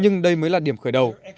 nhưng đây mới là điểm khởi đầu